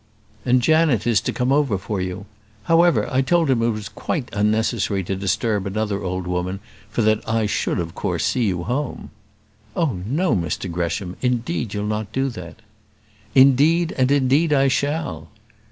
"And Janet is to come over for you. However, I told him it was quite unnecessary to disturb another old woman, for that I should of course see you home." "Oh, no, Mr Gresham; indeed you'll not do that." "Indeed, and indeed, I shall."